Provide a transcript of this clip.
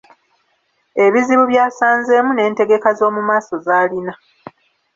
Ebizibu by’asanzeemu n’entegeka z’omu maaso zalina.